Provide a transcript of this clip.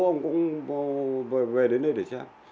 ông cũng về đến đây để xem